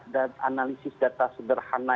dan analisis data sederhana